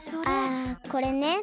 あこれね。